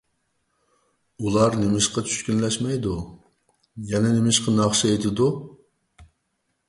ئۇلار نېمىشقا چۈشكۈنلەشمەيدۇ؟ يەنە نېمىشقا ناخشا ئېيتىدۇ؟